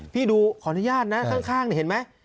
ดูขออนุญาตนะข้างนี่เห็นไหม